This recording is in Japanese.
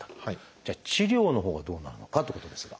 じゃあ治療のほうはどうなるのかってことですが。